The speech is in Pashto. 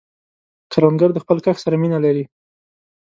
کروندګر د خپل کښت سره مینه لري